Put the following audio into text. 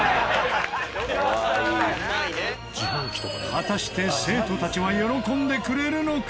果たして生徒たちは喜んでくれるのか？